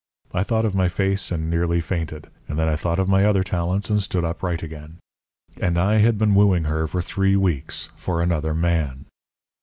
I thought of my face and nearly fainted; and then I thought of my other talents and stood upright again. And I had been wooing her for three weeks for another man!